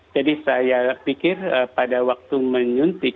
saya pikir pada waktu menyuntik